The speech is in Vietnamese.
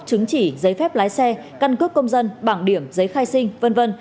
chứng chỉ giấy phép lái xe căn cước công dân bảng điểm giấy khai sinh v v